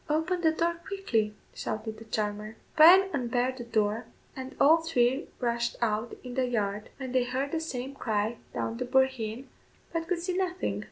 "Open the door quickly," shouted the charmer. Bryan unbarred the door, and all three rushed out in the yard, when they heard the same cry down the boreheen, but could see nothing.